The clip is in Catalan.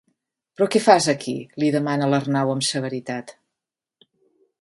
Però què fas, aquí? —li demana l'Arnau amb severitat.